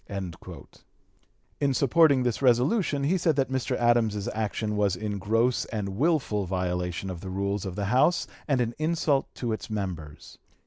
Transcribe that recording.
In supporting this resolution he said that Mr. Adams's action was in gross and wilful violation of the rules of the House and an insult to its members.